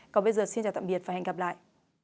còn bây giờ xin chào tạm biệt và hẹn gặp lại